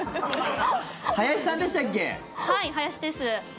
はい、林です。